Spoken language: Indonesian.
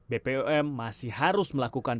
bpom masih harus melakukan